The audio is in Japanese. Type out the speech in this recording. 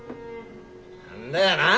何だよなあ！